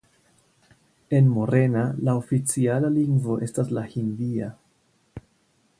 En Morena la oficiala lingvo estas la hindia.